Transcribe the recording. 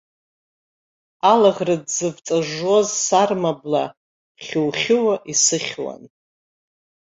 Алаӷырӡ зывҵыжжуаз сарма бла хьухьууа исыхьуан.